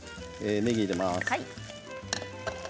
ねぎを入れます。